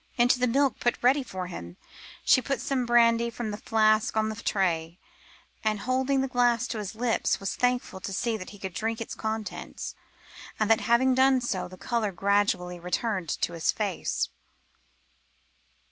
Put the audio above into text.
Into the milk put ready for him, she poured some brandy from a flask on the tray, and, holding the glass to his lips, was thankful to see that he could drink its contents, and that having done so, the colour gradually returned to his face.